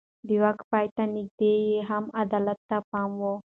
د واک پای ته نږدې يې هم عدالت ته پام و.